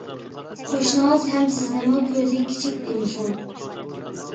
قوشنىڭىز ھەم سىزنىمۇ، كۆزى كىچىك دېمىسۇن.